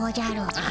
あ。